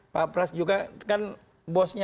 pak pras juga kan bosnya